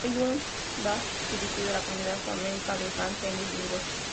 Hoy aún va dirigida a la comunidad flamenca de Francia en bilingüe.